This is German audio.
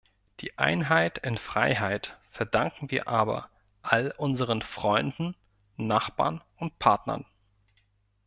Die Einheit in Freiheit verdanken wir aber all unseren Freunden, Nachbarn und Partnern.